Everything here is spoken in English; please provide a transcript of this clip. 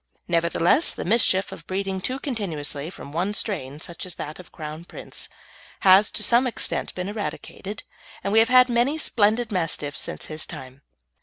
Nevertheless, the mischief of breeding too continuously from one strain such as that of Crown Prince has to some extent been eradicated, and we have had many splendid Mastiffs since his time.